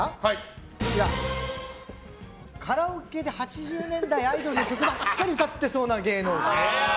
カラオケで８０年代アイドルの曲ばかり歌ってそうな芸能人。